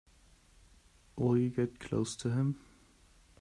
Will you get close to him?